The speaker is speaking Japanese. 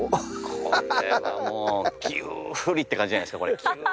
これはもうキュウーリって感じじゃないすかこれ。